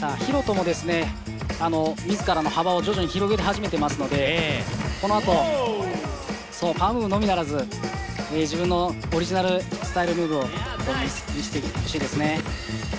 Ｈｉｒｏ１０もですね、自らの幅を徐々に広げ始めてますのでこのあと、そのパワーのみならず自分のオリジナルスタイル部分を見せてほしいですね。